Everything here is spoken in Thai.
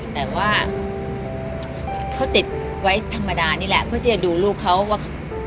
แต่ว่าเขาติดไว้ธรรมดานี่แหละเพื่อที่จะดูลูกเขาว่า